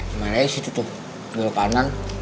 rumah raya di situ tuh di elkangan